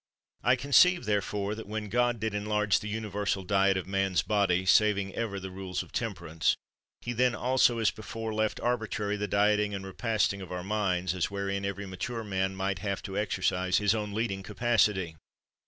I conceive, therefore, that when God did enlarge the universal diet of man's body, saving ever the rules of temperance, He then, also, as before, left arbitrary the dieting and repasting of our minds; as wherein every mature man might have to exercise his own lead ing capacity.